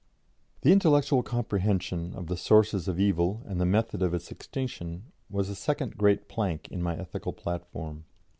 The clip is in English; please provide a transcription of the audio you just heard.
" The intellectual comprehension of the sources of evil and the method of its extinction was the second great plank in my ethical platform.